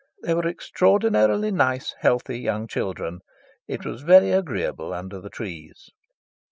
They were extraordinarily nice, healthy young children. It was very agreeable under the trees.